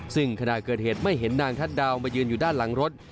ซึ่งขณะเกิดเหตุไม่เห็นนางทัศน์ดาวมายืนอยู่ด้านหลังรถ